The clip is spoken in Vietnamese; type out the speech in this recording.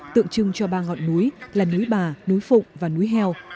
tượng trưng cho ba ngọn núi là núi bà núi phụng và núi heo